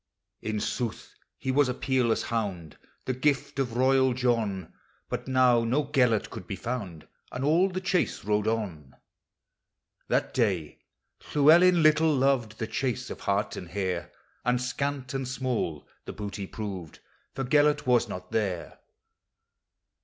" In sooth, he was a peerless hound, The gift of royal John; But now no Gelert could be found, And all the chase rode on. That day Llewellyn little loved The chase of haH and hare; And scant and small the booty proved, For Gelert was nol there.